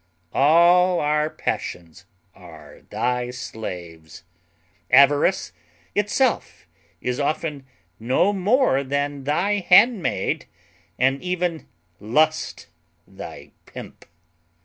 All our passions are thy slaves. Avarice itself is often no more than thy handmaid, and even Lust thy pimp.